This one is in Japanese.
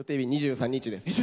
２３日です。